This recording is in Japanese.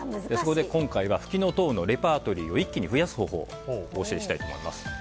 そこで今回はフキノトウのレパートリーを一気に増やす方法をお教えしたいと思います。